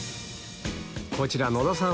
こちら野田さん